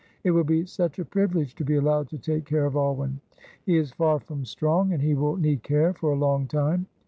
It will be such a privilege to be allowed to take care of Alwyn; he is far from strong, and he will need care for a long time.